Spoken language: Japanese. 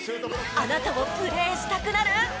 あなたもプレーしたくなる？